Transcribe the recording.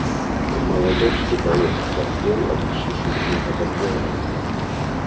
З маладосці паэт цярпеў ад псіхічнага захворвання.